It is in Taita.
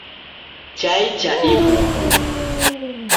Chai ya ibuku